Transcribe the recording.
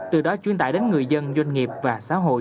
từ đó chuyên đại đến người dân doanh nghiệp và xã hội